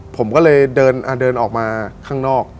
ผมก็เลยเดินออกมาข้างนอก